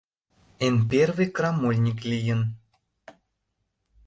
Эн первый «крамольник» лийын.